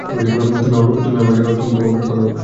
তুমি তোমার প্রার্থনা করো!